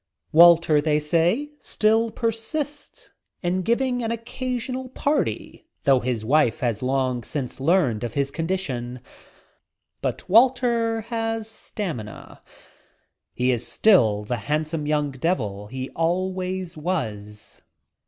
Walter, they say, still persists in giving an oc casional party, though his wife has long since learned of his condition. But Walter has stamina. He is still the handsome young devil he always was.